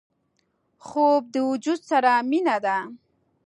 خوب د وجود سره مینه ده